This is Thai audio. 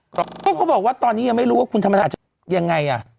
เพราะเขาบอกว่าตอนนี้ยังไม่รู้ว่าคุณธรรมนาอาจจะยังไงอ่ะ